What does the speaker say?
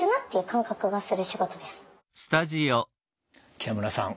北村さん